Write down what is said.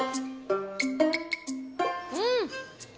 うん！